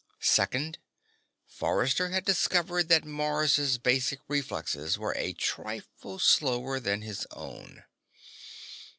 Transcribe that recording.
Second, Forrester had discovered that Mars' basic reflexes were a trifle slower than his own.